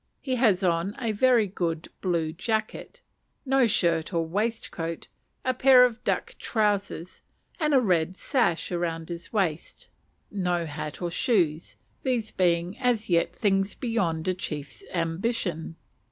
He has on a very good blue jacket, no shirt or waistcoat, a pair of duck trousers, and a red sash round his waist; no hat or shoes, these being as yet things beyond a chief's ambition.